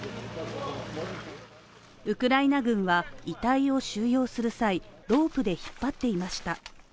ウクライナ軍は遺体を収容する際、ロープで引っ張っていました。